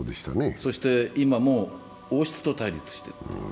今も王室と対立している。